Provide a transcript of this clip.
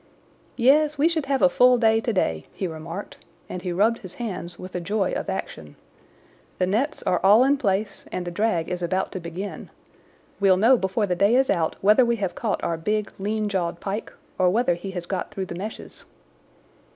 "Yes, we should have a full day today," he remarked, and he rubbed his hands with the joy of action. "The nets are all in place, and the drag is about to begin. We'll know before the day is out whether we have caught our big, lean jawed pike, or whether he has got through the meshes."